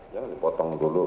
jangan dipotong dulu